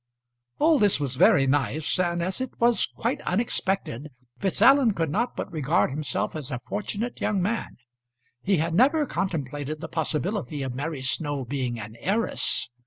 All this was very nice, and as it was quite unexpected, Fitzallen could not but regard himself as a fortunate young man. He had never contemplated the possibility of Mary Snow being an heiress.